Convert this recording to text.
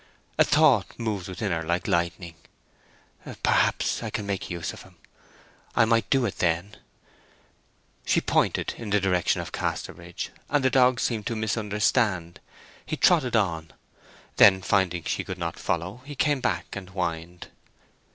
A thought moved within her like lightning. "Perhaps I can make use of him—I might do it then!" She pointed in the direction of Casterbridge, and the dog seemed to misunderstand: he trotted on. Then, finding she could not follow, he came back and whined.